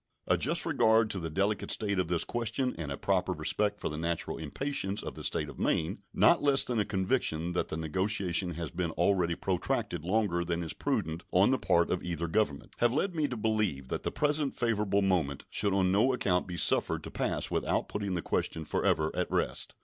A just regard to the delicate state of this question and a proper respect for the natural impatience of the State of Maine, not less than a conviction that the negotiation has been already protracted longer than is prudent on the part of either Government, have led me to believe that the present favorable moment should on no account be suffered to pass without putting the question forever at rest.